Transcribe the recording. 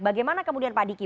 bagaimana kemudian pak diki